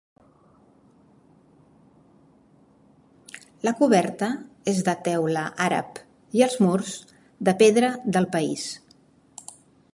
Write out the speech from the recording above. La coberta és de teula àrab i els murs de pedra del país.